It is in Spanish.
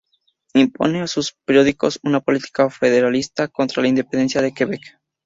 Impone a sus periódicos una política federalista, contra la independencia de Quebec.